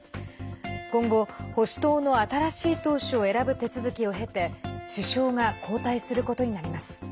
今後、保守党の新しい党首を選ぶ手続きを経て首相が交代することになります。